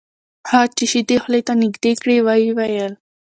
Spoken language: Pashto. هغه چې شیدې خولې ته نږدې کړې ویې ویل: